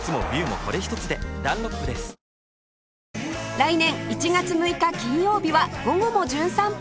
来年１月６日金曜日は『午後もじゅん散歩』